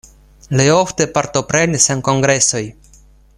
Li ofte partoprenis en kongresoj.